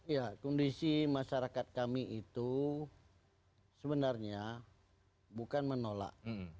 ya kondisi masyarakat kami itu sebenarnya bukan menolak